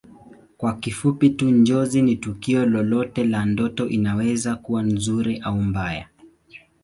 Kwa kifupi tu Njozi ni tukio lolote la ndoto inaweza kuwa nzuri au mbaya